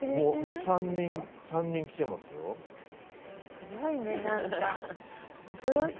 すごいねなんか恐ろしい。